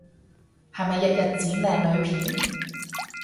係咪日日剪靚女片？